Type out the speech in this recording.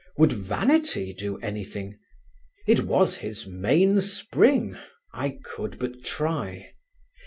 Would vanity do anything? It was his mainspring; I could but try.